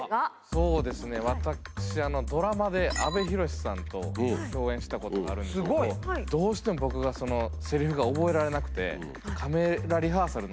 そうですね私ドラマで阿部寛さんと共演したことがあるんですけど。どうしても僕がそのセリフが覚えられなくて。